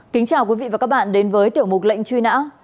kính chào quý vị và các bạn đến với tiểu mục lệnh truy nã